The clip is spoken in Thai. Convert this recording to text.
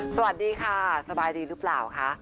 สวัสดีค่ะสบายดีหรือเปล่าคะ